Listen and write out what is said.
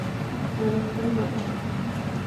Pero estoy Loca.